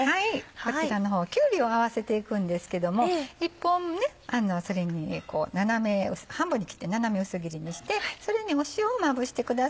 こちらの方きゅうりを合わせていくんですけども１本半分に切って斜め薄切りにしてそれに塩をまぶしてください。